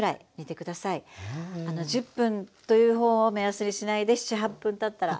１０分というほうを目安にしないで７８分たったら。